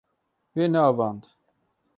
We neavand.